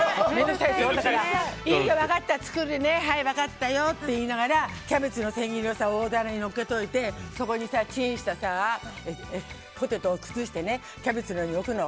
いいよ、分かった作るねって言いながらキャベツの千切りを大皿にのっけておいてそこにチンしたポテトを崩してキャベツの上に置くの。